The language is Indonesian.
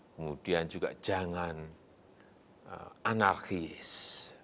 kemudian juga jangan anarkis